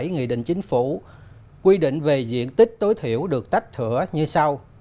nghị định chính phủ quy định về diện tích tối thiểu được tách thửa như sau